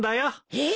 えっ！